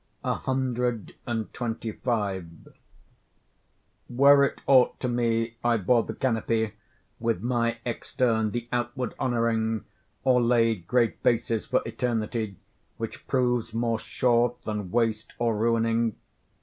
CXXV Were't aught to me I bore the canopy, With my extern the outward honouring, Or laid great bases for eternity, Which proves more short than waste or ruining?